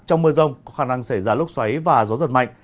trong mưa rông có khả năng xảy ra lốc xoáy và gió giật mạnh